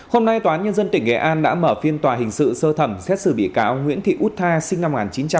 hôm nay tòa án nhân dân tỉnh nghệ an đã mở phiên tòa hình sự sơ thẩm xét xử bị cáo nguyễn thị út tha sinh năm một nghìn chín trăm tám mươi